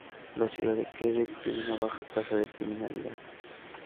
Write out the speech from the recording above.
La ciudad de Quebec tiene una baja tasa de criminalidad.